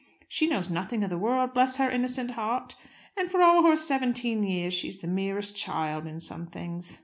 She knows nothing of the world, bless her innocent heart. And, for all her seventeen years, she is the merest child in some things.